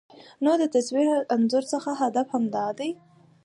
نو د تصوير انځور څخه هدف همدا دى